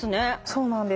そうなんです。